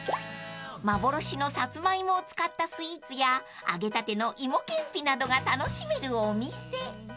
［幻のサツマイモを使ったスイーツや揚げたての芋けんぴなどが楽しめるお店］